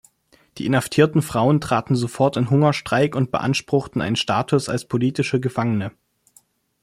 Die inhaftierten Frauen traten sofort in Hungerstreik und beanspruchten einen Status als politische Gefangene.